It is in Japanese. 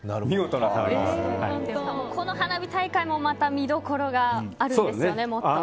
この花火大会もまた見どころがあるんですよね。